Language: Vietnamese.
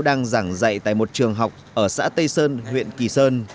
đang giảng dạy tại một trường học ở xã tây sơn huyện kỳ sơn